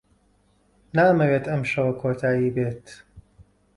نامەوێت ئەم شەوە کۆتایی بێت.